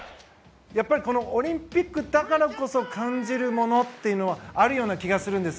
やっぱりオリンピックだからこそ感じるものっていうのがあるような気がするんです。